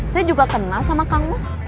saya juga kenal sama kang mus